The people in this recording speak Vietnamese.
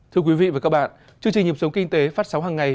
thưa quý vị và các bạn chương trình nhập sống kinh tế phát sóng hằng ngày